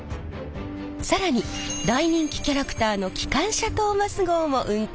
更に大人気キャラクターのきかんしゃトーマス号も運行中。